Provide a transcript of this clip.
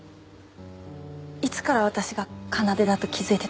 いつから私が奏だと気づいてたんですか？